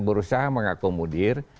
harus kita berusaha mengakomodir